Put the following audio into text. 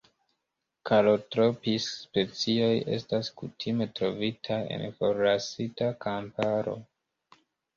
Calotropis-specioj estas kutime trovitaj en forlasita kamparo.